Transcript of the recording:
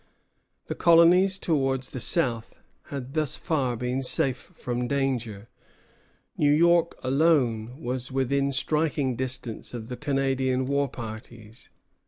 The colonies towards the south had thus far been safe from danger. New York alone was within striking distance of the Canadian war parties.